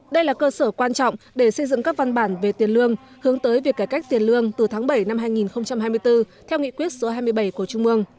đây là cơ sở quan trọng để xây dựng các văn bản về tiền lương hướng tới việc cải cách tiền lương từ tháng bảy năm hai nghìn hai mươi bốn theo nghị quyết số hai mươi bảy của trung ương